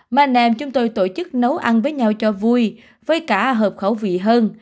mà nèm chúng tôi tổ chức nấu ăn với nhau cho vui với cả hợp khẩu vị hơn